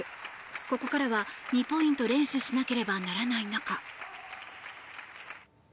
ここからは２ポイント連取しなければならない中。